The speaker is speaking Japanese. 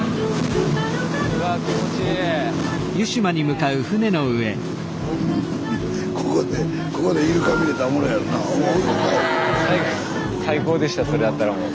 スタジオ最高でしたそれあったらもう。